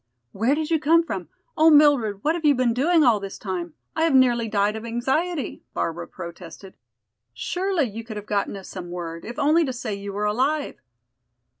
"Where did you come from? Oh, Mildred, what have you been doing all this time? I have nearly died of anxiety." Barbara protested. "Surely you could have gotten us some word, if only to say you were alive."